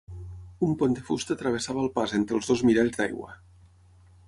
Un pont de fusta travessava el pas entre els dos miralls d'aigua.